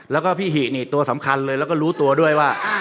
แล้วก็พี่หินี่ตัวสำคัญเลยแล้วก็รู้ตัวด้วยว่า